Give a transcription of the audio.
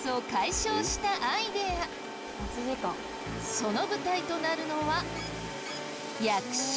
その舞台となるのは役所！